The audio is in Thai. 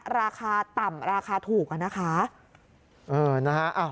ราคาต่ำราคาถูกอะนะคะ